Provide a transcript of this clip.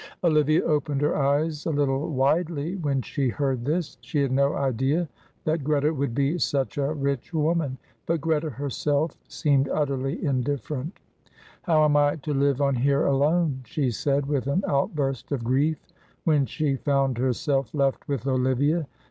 Olivia opened her eyes a little widely when she heard this. She had no idea that Greta would be such a rich woman. But Greta herself seemed utterly indifferent. "How am I to live on here alone?" she said, with an outburst of grief, when she found herself left with Olivia.